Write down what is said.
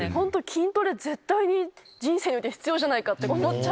筋トレ絶対に人生において必要って思っちゃう。